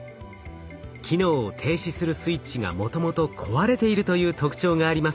機能を停止するスイッチがもともと壊れているという特徴があります。